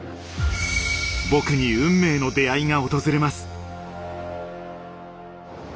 僕に運命の出会いが訪れます。